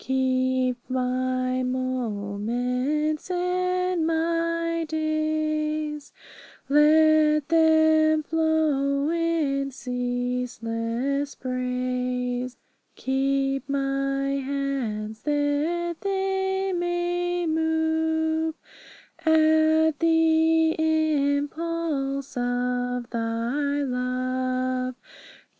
Keep my moments and my days; Let them flow in ceaseless praise. Keep my hands, that they may move At the impulse of Thy love.